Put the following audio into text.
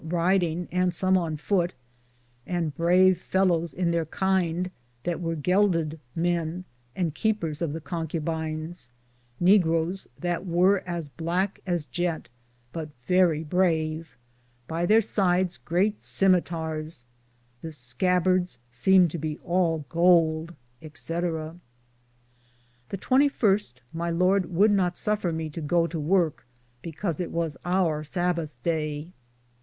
som ridinge and som on foute, and brave fellowes in their kinde, that weare gelded men, and keepers of the conque bines ; neagers that weare as blacke as geate (jet), but verrie brave ; by their sides great semeteris ; the scabertes semed to be all goulde, etc. The 21, my Lord would not suffer me to goo to worke, because it was our Sabothe daye.